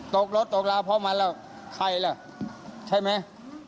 ตกรถตกลาพ่อมันแล้วใครล่ะใช่ไหมอืม